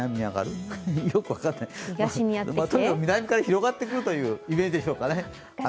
とにかく南から広がってくるというイメージでしょうかね。